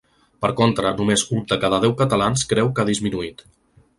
Per contra, només un de cada deu catalans creu que ha disminuït.